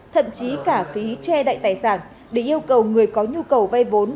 thậm chí cả phí tre đại tài sản để yêu cầu người có nhu cầu vay vốn